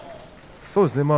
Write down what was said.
そうですね。